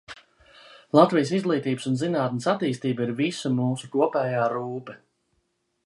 Latvijas izglītības un zinātnes attīstība ir visu mūsu kopējā rūpe.